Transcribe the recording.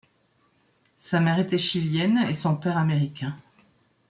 Sa mère était chilienne et son père américain.